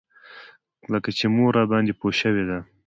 لکه چې مور راباندې پوه شوې ده.